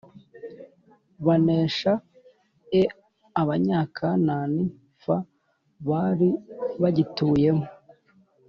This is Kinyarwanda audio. banesha e Abanyakanani f bari bagituyemo